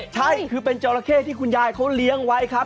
ใช่คือเป็นจราเข้ที่คุณยายเขาเลี้ยงไว้ครับ